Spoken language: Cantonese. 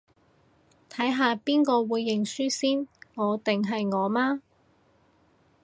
睇下邊個會認輸先，我定係我媽